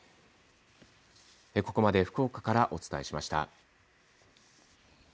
ここまで福岡からお伝えしました。